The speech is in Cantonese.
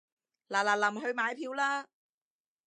嗱嗱臨去買票啦